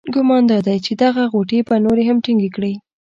ګمان دادی چې دغه غوټې به نورې هم ټینګې کړي.